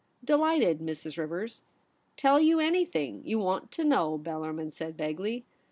* Delighted, Mrs. Rivers — tell you anything you want to know,' Bellarmin said vaguely.